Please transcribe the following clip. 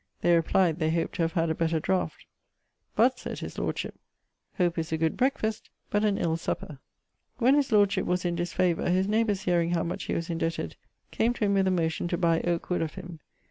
They replied, they hoped to have had a better draught; 'but,' sayd his lordship, 'Hope is a good breakfast, but an ill supper.' When his lordship was in dis favour, his neighbours hearing how much he was indebted, came to him with a motion to buy Oake wood of him.